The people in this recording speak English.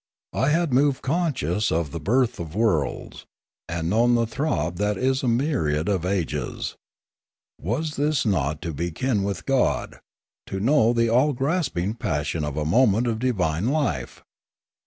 I had moved conscious of the birth of worlds, and known the throb that is a myriad of ages. Was this not to be kin with God, to know the all grasping passion of a moment of divine life?